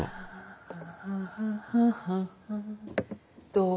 どう？